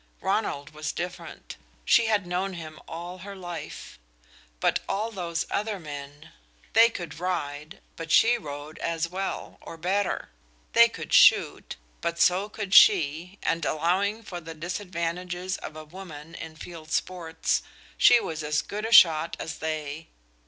Ronald was different; she had known him all her life. But all those other men! They could ride but she rode as well, or better. They could shoot, but so could she, and allowing for the disadvantages of a woman in field sports, she was as good a shot as they.